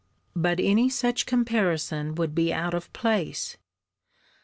But any such comparison would be out of place.